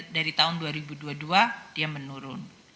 dari tahun dua ribu dua puluh dua dia menurun